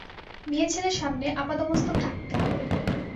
মেয়েছেলের সামনে আপাদমস্তক ঢাকতে হবে।